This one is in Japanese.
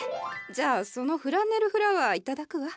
じゃあそのフランネルフラワー頂くわ。